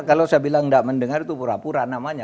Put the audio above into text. kalau saya bilang tidak mendengar itu pura pura namanya